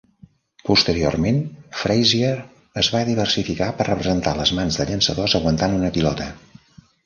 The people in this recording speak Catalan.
Posteriorment Frazier es va diversificar per representar les mans de llançadors aguantant una pilota.